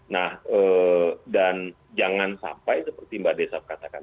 nah dan jangan sampai seperti mbak desaf katakan